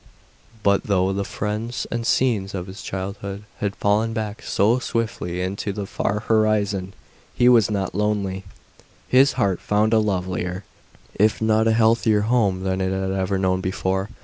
But though the friends and scenes of his childhood had fallen back so swiftly into the far horizon, he was not lonely. His heart found a lovelier, if not a healthier home, than it had ever known before.